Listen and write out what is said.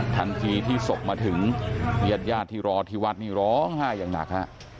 ทันทีที่ศพมาถึงยาดที่รอทีวัฒน์ที่ร้องไห้อย่างหนักค่ะ